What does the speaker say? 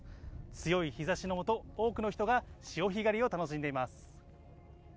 強い日ざしのもと、多くの人が潮干狩りを楽しんでいます。